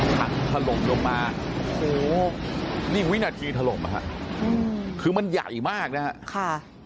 ทัดถลมลงมาสูงนี่วินาทีถลมอ่ะฮะคือมันใหญ่มากนะฮะค่ะ